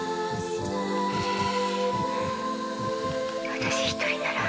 私一人なら。